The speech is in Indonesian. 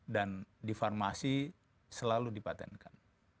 dan difarmasi selalu dipatentkan